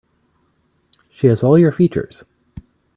She has all your features.